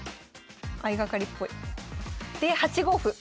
相掛かりっぽい。で８五歩。